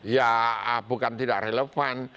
ya bukan tidak relevan